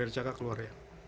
shaka keluar ya